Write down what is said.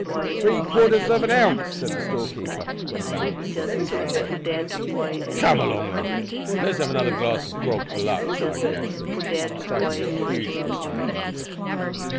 "Three quarters of an ounce," said the storekeeper, when the balance ceased to vibrate. "Come along, then, an' let's have another glass of grog for luck," cried Gashford, striking his huge fist on the counter.